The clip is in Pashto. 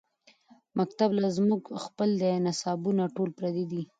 مکتب کۀ زمونږ خپل دے نصابونه ټول پردي دي